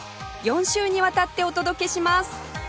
４週にわたってお届けします